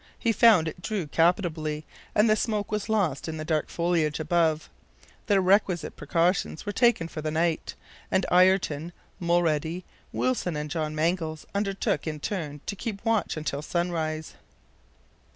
He found it drew capitally, and the smoke was lost in the dark foliage above. The requisite precautions were taken for the night, and Ayrton, Mulrady, Wilson and John Mangles undertook in turn to keep watch until sunrise.